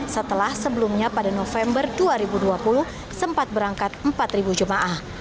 setelah sebelumnya pada november dua ribu dua puluh sempat berangkat empat jemaah